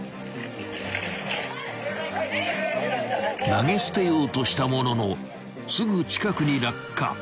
［投げ捨てようとしたもののすぐ近くに落下］